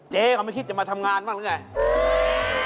เจ๊เขาไม่คิดจะมาทำงานบ้างหรือไง